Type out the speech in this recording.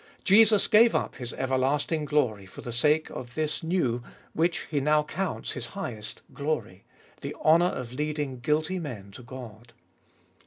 Jesus gave up His everlasting glory for the sake of this new, which He now counts His highest, glory — the honour of leading guilty men to God.